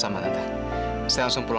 saat kau diminta